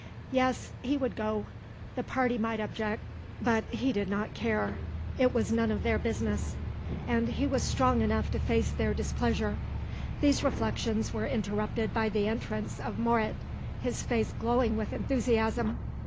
Yes, he would go: the party might object, but he did not care; it was none of their business, and he was strong enough to face their displeasure. These reflections were interrupted by the entrance of Moret, his face glowing with enthusiasm.